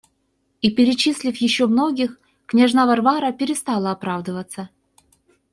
И, перечислив еще многих, княжна Варвара перестала оправдываться.